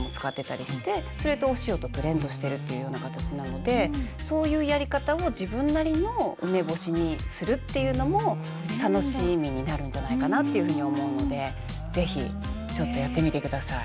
それとお塩とブレンドしてるっていうような形なのでそういうやり方を自分なりの梅干しにするっていうのも楽しみになるんじゃないかなっていうふうに思うので是非ちょっとやってみてください。